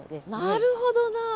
なるほどな。